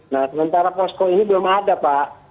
nah sementara posko ini belum ada pak